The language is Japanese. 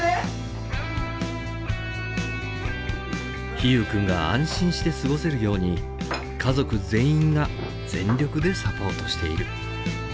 陽友君が安心して過ごせるように家族全員が全力でサポートしている。